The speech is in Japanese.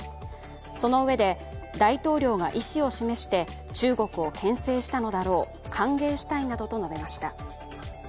そのうえで大統領が意思を示して中国を牽制したのだろう、歓迎したいなどと述べました。